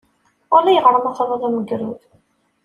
Ulayɣer ma truḍ am ugrud.